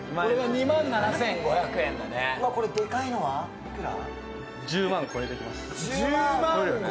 このでかいのはいくら？